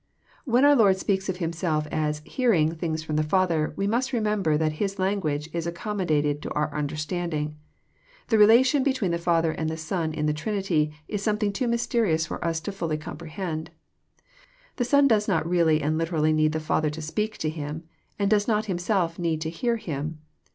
When ourliord speaks of Himself as "hearing" things ft om the Father, we must remember that His language is accom modated to onr nnderstanding. The relation between the Father and the Son in the Trinity is something too mysterious for ns folly to comprehend. The Son does not really and liter ally need the Father to speak " to Him, and does not himself need to hear" Him.